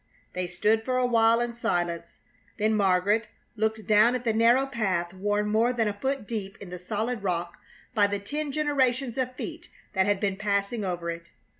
They stood for a while in silence. Then Margaret looked down at the narrow path worn more than a foot deep in the solid rock by the ten generations of feet that had been passing over it.